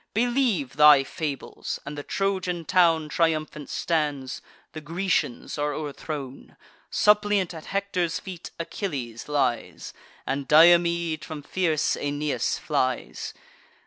Believe thy fables, and the Trojan town Triumphant stands; the Grecians are o'erthrown; Suppliant at Hector's feet Achilles lies, And Diomede from fierce Aeneas flies.